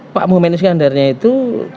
pak muhaymin iskandarnya itu